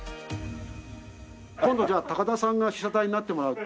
今度じゃあ高田さんが被写体になってもらって。